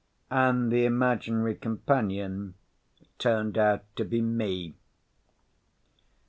And the imaginary companion turned out to be me.